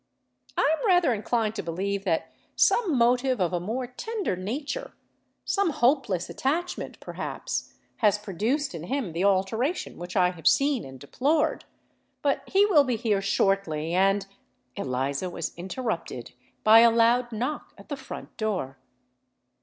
I am rather inclined to believe that some motive of a more tender nature—some hopeless attachment, perhaps—has produced in him the alteration which I have seen and deplored. But he will be here shortly; and——" Eliza was interrupted by a loud knock at the front door.